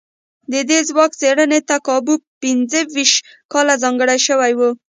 د دې ځواک څېړنې ته کابو پينځو ويشت کاله ځانګړي شوي وو.